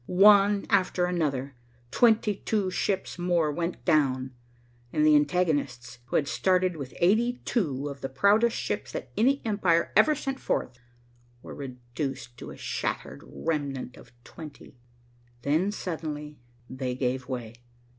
One after another, twenty two ships more went down, and the antagonists, who had started with eighty two of the proudest ships that any empire ever sent forth, were reduced to a shattered remnant of twenty. Then suddenly they gave way.